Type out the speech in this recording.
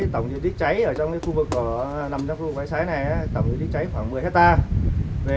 tổng diện tích cháy ở trong khu vực năm trang khu vực quái sái này tổng diện tích cháy khoảng một mươi hectare